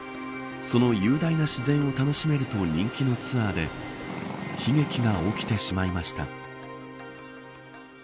その雄大な自然を楽しめると人気のツアーで悲劇が起きてしまいました。